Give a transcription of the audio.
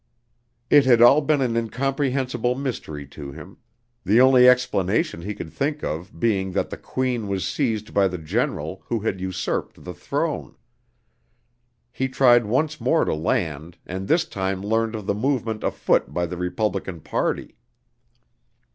It had all been an incomprehensible mystery to him; the only explanation he could think of being that the Queen was seized by the General who had usurped the throne. He tried once more to land and this time learned of the movement afoot by the Republican party.